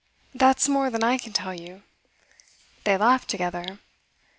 'That's more than I can tell you.' They laughed together.